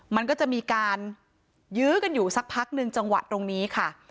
มันก็จะมีการยื้อกันอยู่สักพักหนึ่งจังหวะตรงนี้ค่ะ